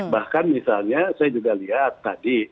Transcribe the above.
bahkan misalnya saya juga lihat tadi